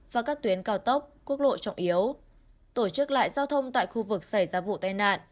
và các tuyến cao tốc quốc lộ trọng yếu tổ chức lại giao thông tại khu vực xảy ra vụ tai nạn